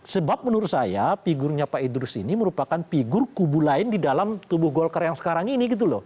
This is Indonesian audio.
sebab menurut saya figurnya pak idrus ini merupakan figur kubu lain di dalam tubuh golkar yang sekarang ini gitu loh